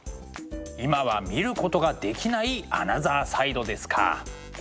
今は見ることができないアナザーサイドですか。